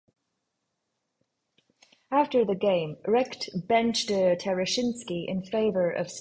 After the game, Richt benched Tereshinski in favor of Stafford.